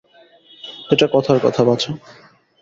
এটা কথার কথা, বাছা।